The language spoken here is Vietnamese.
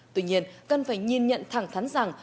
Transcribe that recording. tuy nhiên cần phải nhìn nhận thẳng thắn rằng